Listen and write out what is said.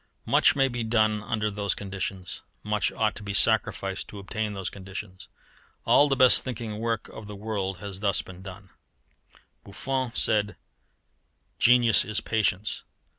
Much may be done under those conditions. Much ought to be sacrificed to obtain those conditions. All the best thinking work of the world has been thus done. Buffon said: "Genius is patience."